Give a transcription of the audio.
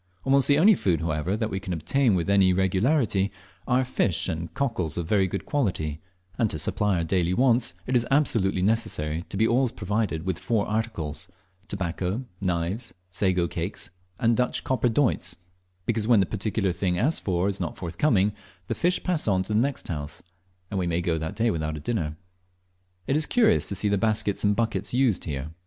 Almost the only food, however, that we can obtain with any regularity, are fish and cockles of very good quality, and to supply our daily wants it is absolutely necessary to be always provided with four articles tobacco, knives, sago cakes, and Dutch copper doits because when the particular thing asked for is not forthcoming, the fish pass on to the next house, and we may go that day without a dinner. It is curious to see the baskets and buckets used here.